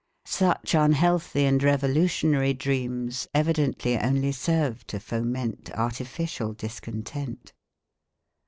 Such unhealthy and revolutionary dreams evidently only serve to foment artificial discontent.